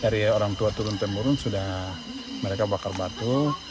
dari orang tua turun temurun sudah mereka bakar batu